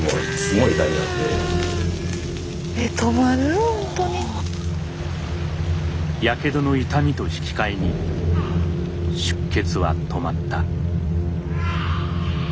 やけどの痛みと引き換えに出血は止まった。